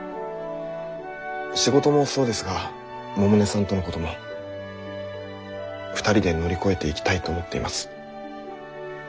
仕事もそうですが百音さんとのことも２人で乗り越えていきたいと思っています。